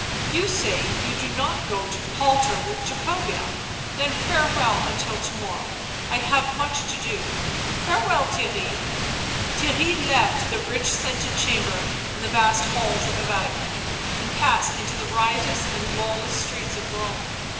You say you do not go to palter with Jacobea, then farewell until to morrow ; I have much to do ... farewell, Their ry." Theirry left thG rich scented chamber and the vast halls of the Vatican and passed into the riotous and lawless streets of Home.